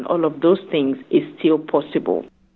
dan semua hal itu masih bisa